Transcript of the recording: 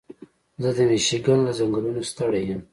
زه د مېشیګن له ځنګلونو ستړی یم.